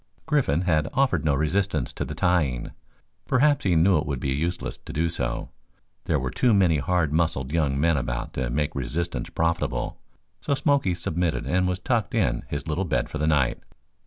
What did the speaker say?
Griffin had offered no resistance to the tying. Perhaps he knew it would be useless to do so. There were too many hard muscled young men about to make resistance profitable, so Smoky submitted and was tucked in his little bed for the night.